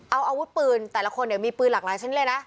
เอาอาวุธปืนแต่ละคนเนี่ยมีปืนหลากหลายชิ้นเลยนะ